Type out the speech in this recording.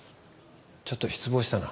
ちょっと失望したな。